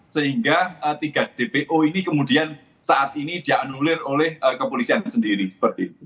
sehingga tiga dpo ini kemudian saat ini dianulir oleh kepolisiannya sendiri